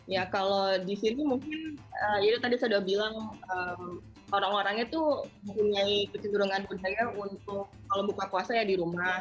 ya kalau di sini mungkin ya tadi sudah bilang orang orangnya tuh mempunyai kecenderungan budaya untuk kalau buka puasa ya di rumah